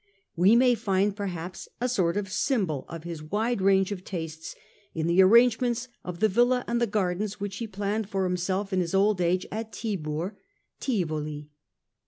We may find perhaps a sort of symbol of his wide range of tastes in the arrangements of the villa and His villa at gardens which he planned for himself in Tivoli. is old age at Tibur (Tivoli).